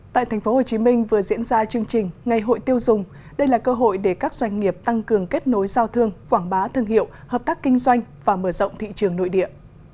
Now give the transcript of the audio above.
tại tp hcm vừa diễn ra chương trình ngày hội tiêu dùng đây là cơ hội để các doanh nghiệp tăng cường kết nối giao thương quảng bá thương hiệu hợp tác kinh doanh và mở rộng thị trường nội địa